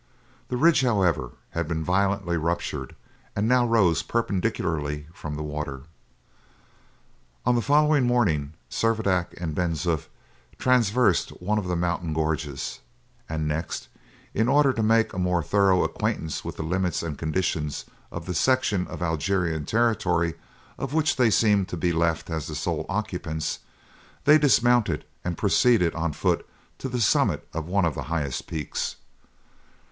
The ridge, however, had been violently ruptured, and now rose perpendicularly from the water. On the following morning Servadac and Ben Zoof traversed one of the mountain gorges; and next, in order to make a more thorough acquaintance with the limits and condition of the section of Algerian territory of which they seemed to be left as the sole occupants, they dismounted, and proceeded on foot to the summit of one of the highest peaks.